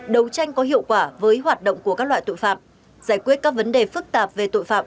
đấu tranh có hiệu quả với hoạt động của các loại tội phạm giải quyết các vấn đề phức tạp về tội phạm